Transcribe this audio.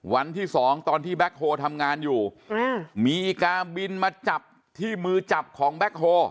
วันที่สองตอนที่แบ็คโฮลทำงานอยู่มีการบินมาจับที่มือจับของแบ็คโฮ